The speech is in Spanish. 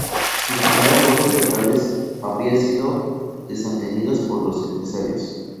Sus primeras obras teatrales habría sido desatendidas por los empresarios.